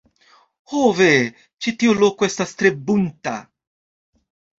Ho ve! ĉi tiu loko estas tre bunta!